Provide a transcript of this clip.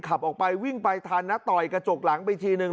ขับออกไปวิ่งไปทันนะต่อยกระจกหลังไปทีนึง